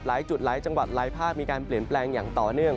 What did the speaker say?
หลายจุดหลายจังหวัดหลายภาคมีการเปลี่ยนแปลงอย่างต่อเนื่อง